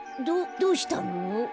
どどうしたの？